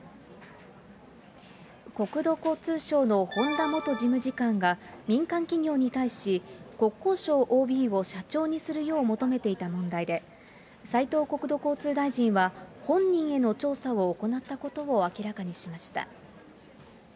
国土交通省の本田元事務次官が、民間企業に対し、国交省ＯＢを社長にするよう求めていた問題で、斉藤国土交通大臣は、本人への調査を行ったことを明らかにしました。